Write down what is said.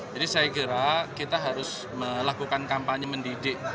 jadi saya kira kita harus melakukan kampanye mendidik